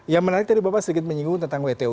yang menarik tadi bapak sedikit menyinggung tentang wto